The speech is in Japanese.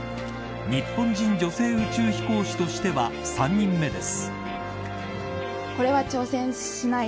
日本人女性宇宙飛行士としては３人目です。